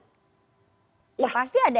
pasti ada efek elektoral